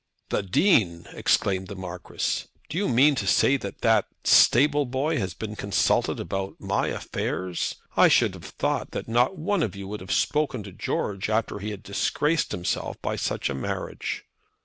"The Dean!" exclaimed the Marquis. "Do you mean to say that that stable boy has been consulted about my affairs? I should have thought that not one of you would have spoken to George after he had disgraced himself by such a marriage."